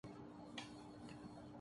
خرام تجھ سے‘ صبا تجھ سے‘ گلستاں تجھ سے